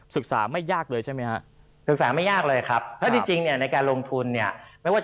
ศึกษาไม่ยากเลยใช่ไหมครับ